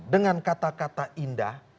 dengan kata kata indah